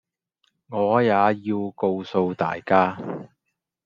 我也要告訴大家